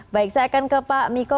baik saya akan ke pak miko